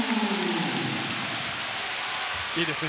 いいですね。